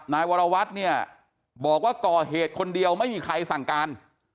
นายวรวัตรเนี่ยบอกว่าก่อเหตุคนเดียวไม่มีใครสั่งการ